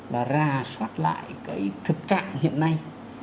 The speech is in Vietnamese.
là ra soát lại cái thực trạng hiện nay